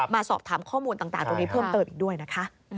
มาสอบถามข้อมูลต่างตรงนี้เพิ่มเติมอีกด้วยนะคะ